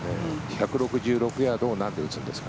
１６６ヤードを何で打つんですか？